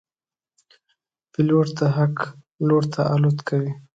پیلوټ د حق لور ته الوت کوي.